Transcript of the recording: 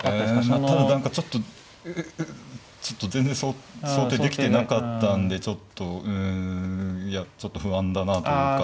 うんただ何かちょっと全然想定できてなかったんでちょっとうんいやちょっと不安だなというか。